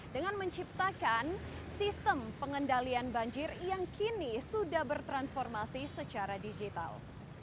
dengan menciptakan sistem pengendalian banjir yang kini sudah bertransformasi secara digital